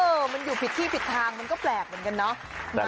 มันอยู่ผิดที่ผิดทางมันก็แปลกเหมือนกันเนาะ